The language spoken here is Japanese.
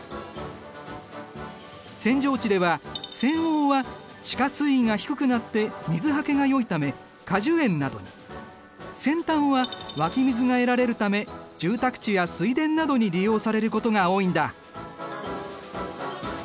扇状地では扇央は地下水位が低くなって水はけがよいため果樹園などに扇端は湧き水が得られるため住宅地や水田などに利用されることが多いんだ。